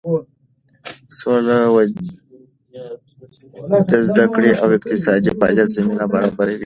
سوله د زده کړې او اقتصادي فعالیت زمینه برابروي.